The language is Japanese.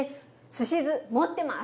すし酢持ってます。